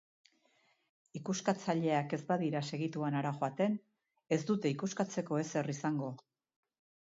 Ikuskatzaileak ez badira segituan hara joaten, ez dute ikuskatzeko ezer izango.